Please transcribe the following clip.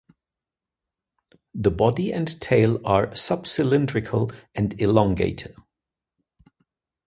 The body and tail are subcylindrical and elongate.